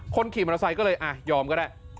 คนขี่มอเตอร์ไซค์ก็เลยอ่ะยอมก็ได้